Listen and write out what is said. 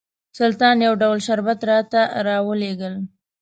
سلطان یو ډول شربت راته راولېږل.